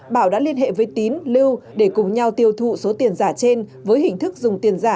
bảo đã liên hệ với tín lưu để cùng nhau tiêu thụ số tiền giả trên với hình thức dùng tiền giả